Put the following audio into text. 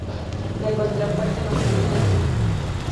La contraparte masculina es el hijo.